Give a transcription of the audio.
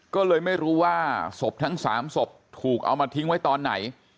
ก็เลยไม่รู้ว่าศพทั้ง๓ศพถูกเอามาทิ้งไว้ตอนไหน